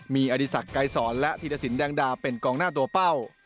มีอธิษัทไกรศรและธิรษินแดงดาเป็นกองหน้าตัวเป้า